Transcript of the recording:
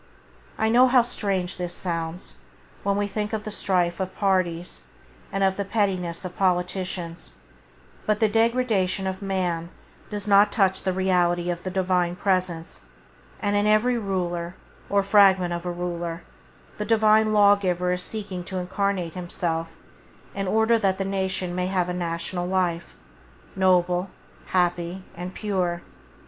I know how strange this sounds when we think of the strife of parties, and of the pettinesses of politicians; but the degradation of man does not touch the reality of the Divine Presence, and in every ruler, or fragment of a ruler, the Divine Lawgiver is seeking to incarnate Himself in order that the nation may have a national life, noble, happy and pure.